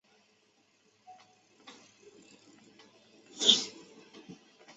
展毛翠雀花为毛茛科翠雀属下的一个变种。